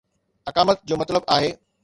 اقامت جو مطلب آهي